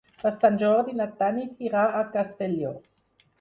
Per Sant Jordi na Tanit irà a Castelló.